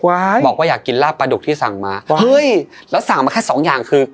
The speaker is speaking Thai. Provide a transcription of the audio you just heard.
บอกว่าอยากกินลาบปลาดุกที่สั่งมาเฮ้ยแล้วสั่งมาแค่สองอย่างคือ